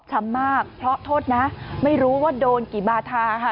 มากเพราะโทษนะไม่รู้ว่าโดนกี่บาทาค่ะ